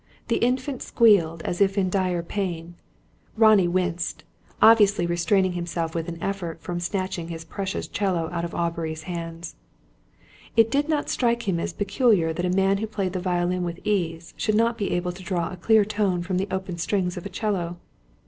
The Infant squealed, as if in dire pain. Ronnie winced, obviously restraining himself with an effort from snatching his precious 'cello out of Aubrey's hands. It did not strike him as peculiar that a man who played the violin with ease, should not be able to draw a clear tone from the open strings of a 'cello.